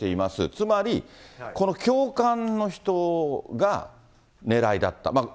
つまりこの教官の人が、狙いだった。